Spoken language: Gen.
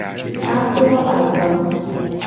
Aklo agba.